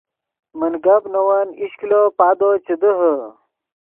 من گپ نے ون ایش کلو پادو چے دیہے